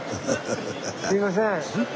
すいません。